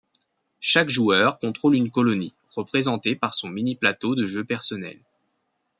Chaque joueur contrôle une colonie, représentée par son mini-plateau de jeu personnel.